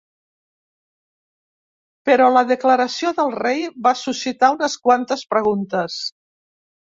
Però la declaració del rei va suscitar unes quantes preguntes.